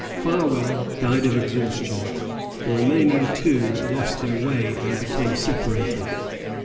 Farwell died of exhaustion. The remaining two lost their way and became separated.